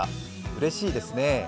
うれしいですね。